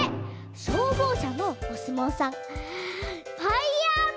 しょうぼうしゃのおすもうさんファイヤー丸！